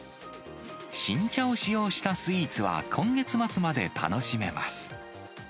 新茶を使用したスイーツは今月末まで楽しめます。